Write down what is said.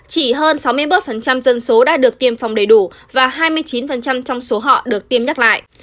chỉ hơn sáu mươi một dân số đã được tiêm phòng đầy đủ và hai mươi chín trong số họ được tiêm nhắc lại